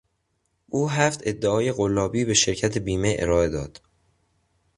او هفت ادعای قلابی به شرکت بیمه ارائه داد.